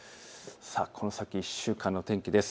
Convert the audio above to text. この先１週間の天気です。